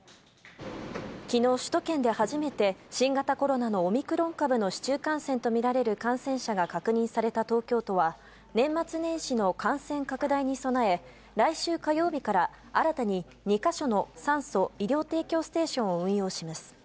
きのう、首都圏で初めて、新型コロナのオミクロン株の市中感染と見られる感染者が確認された東京都は、年末年始の感染拡大に備え、来週火曜日から、新たに２か所の酸素・医療提供ステーションを運用します。